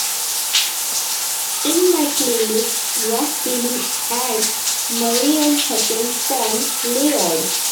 In my playlist Rock Gaming add Mariem Hassan con Leyoad